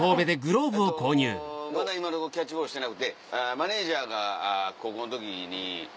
えっとまだ今のとこキャッチボールしてなくてマネジャーが高校の時に。